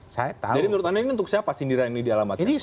jadi menurut anda ini untuk siapa sindiran ini dialamatkan